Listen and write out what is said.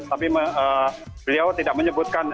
tapi beliau tidak menyebutkan